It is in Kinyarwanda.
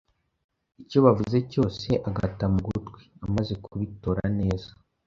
icyo bavuze cyose agata mu gutwi. Amaze kubitora neza,